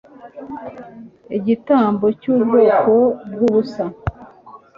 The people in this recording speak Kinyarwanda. Igitambo cyubwoko bwubusa